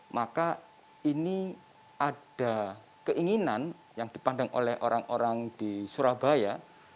maka ini ada keinginan yang dipandang oleh orang orang di surabaya